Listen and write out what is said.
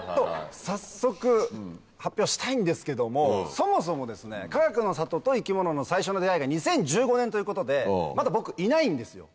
早速発表したいんですけどもそもそもかがくの里と生き物の最初の出合いが２０１５年ということでまだ僕いないんですよ。